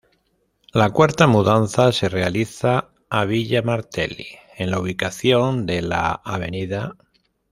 La cuarta mudanza se realiza a Villa Martelli, en la ubicación de la Av.